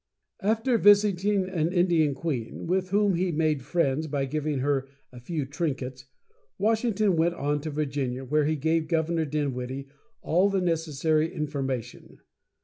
After visiting an Indian queen, with whom he made friends by giving her a few trinkets, Washington went on to Virginia, where he gave Governor Dinwiddie all the necessary information.